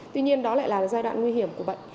tuy nhiên đó lại là giai đoạn nguy hiểm của bệnh